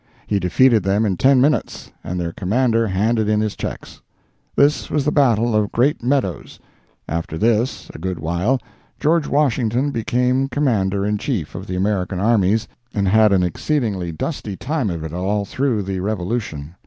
He defeated them in ten minutes, and their commander handed in his checks. This was the battle of Great Meadows. After this, a good while, George Washington became Commander in Chief of the American armies, and had an exceedingly dusty time of it all through the Revolution.